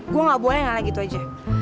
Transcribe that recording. gue gak boleh ngalah gitu aja